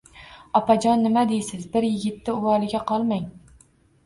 — Opajon, nima deysiz? Bir yigitti uvoliga qolmang!..